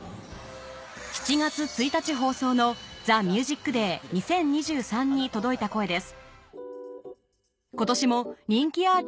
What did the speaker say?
７月１日放送の『ＴＨＥＭＵＳＩＣＤＡＹ２０２３』に届いた声です